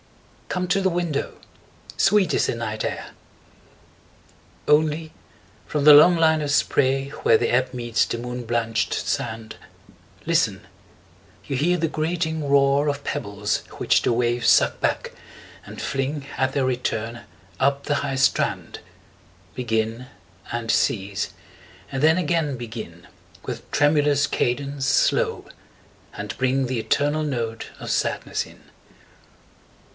5 Come to the window, sweet is the night air! Only, from the long line of spray Where the sea meets the moon blanch'd land, Listen! you hear the grating roar Of pebbles which the waves draw back, and fling, 10 At their return, up the high strand, Begin, and cease, and then again begin, With tremulous cadence slow, and bring The eternal note of sadness in.